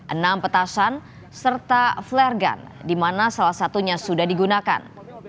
enam petasan serta flaregun di mana salah satunya sudah digunakan